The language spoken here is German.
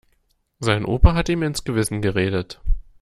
Sein Opa hat ihm ins Gewissen geredet.